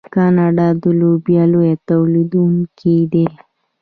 کاناډا د لوبیا لوی تولیدونکی دی.